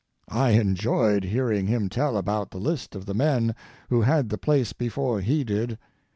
I enjoyed hearing him tell about the list of the men who had the place before he did.